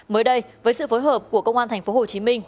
mới đây với sự phối hợp của công an thành phố hồ chí minh